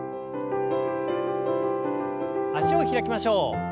脚を開きましょう。